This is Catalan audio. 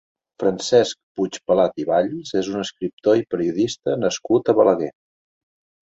Francesc Puigpelat i Valls és un escriptor i periodista nascut a Balaguer.